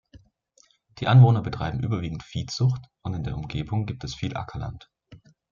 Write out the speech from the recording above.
Die Anwohner betreiben überwiegend Viehzucht und in der Umgebung gibt es viel Ackerland.